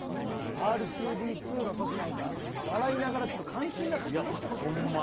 Ｒ２Ｄ２のときなんか、笑いながら感心が勝ちましたもんね。